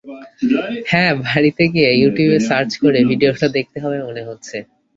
হ্যাঁ, বাড়ি গিয়ে ইউটিউবে সার্চ করে ভিডিওটা দেখতে হবে মনে হচ্ছে।